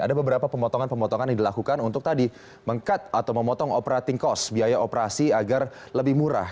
ada beberapa pemotongan pemotongan yang dilakukan untuk tadi meng cut atau memotong operating cost biaya operasi agar lebih murah